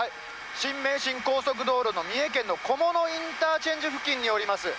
新名神高速道路の三重県の菰野インターチェンジ付近におります。